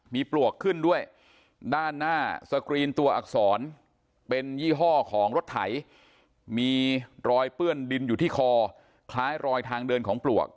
มีปลวกขึ้นด้วยด้านหน้าสกรีนตัวอักษรเป็นยี่ห้อของรถไถมีรอยเปื้อนดินอยู่ที่คอคล้ายรอยทางเดินของปลวก